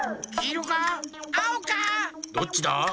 どっちだ？